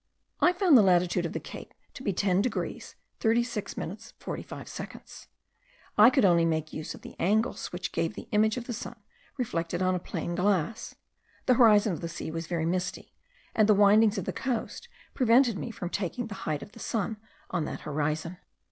I found the latitude of the cape to be 10 degrees 36 minutes 45 seconds; I could only make use of the angles which gave the image of the sun reflected on a plane glass; the horizon of the sea was very misty, and the windings of the coast prevented me from taking the height of the sun on that horizon.